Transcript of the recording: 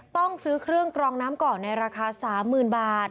ต้องซื้อเครื่องกรองน้ำก่อนในราคา๓๐๐๐บาท